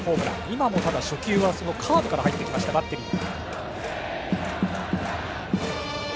今もまた初球はカーブから入ったバッテリー。